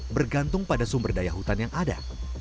bergantung pada sumber daya hutan yang ada